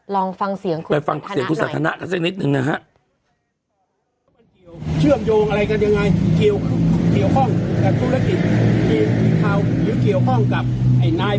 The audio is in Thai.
ลองฟังเสียงคุณสันทนาหน่อย